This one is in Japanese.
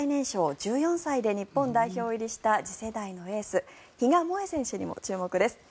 更に史上最年少１４歳で日本代表入りしたい次世代のエース比嘉もえ選手にも注目です。